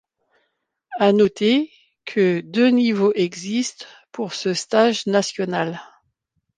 À noter que deux niveaux existent pour ce stage national.